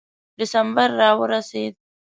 ډسمبر را ورسېد.